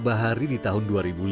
bahari di tahun dua ribu lima